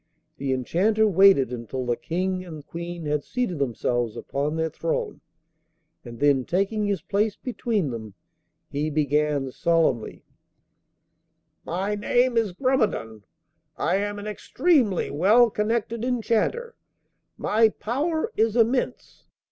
The Enchanter waited until the King and Queen had seated themselves upon their throne, and then, taking his place between them, he began solemnly: 'My name is Grumedan. I am an extremely well connected Enchanter; my power is immense.